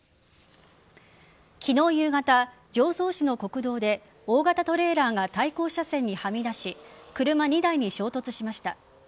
昨日夕方、常総市の国道で大型トレーラーが対向車線にはみ出し車２台に衝突しました。